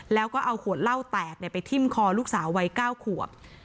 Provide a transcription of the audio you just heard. แล้วก็เอาขวดเหล้าแตกไปทิ้มคอลูกสาววัย๙ขวบ